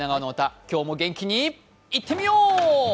今日も元気にいってみよう！